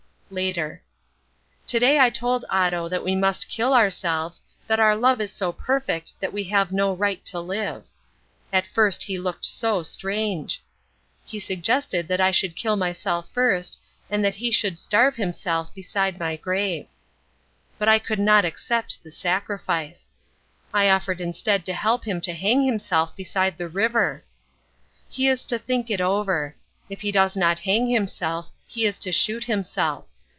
Later. To day I told Otto that we must kill ourselves, that our love is so perfect that we have no right to live. At first he looked so strange. He suggested that I should kill myself first and that he should starve himself beside my grave. But I could not accept the sacrifice. I offered instead to help him to hang himself beside the river. He is to think it over. If he does not hang himself, he is to shoot himself.